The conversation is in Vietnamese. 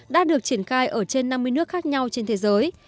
đã được triển khai ở trên năm mươi nước khác nhau trên thế giới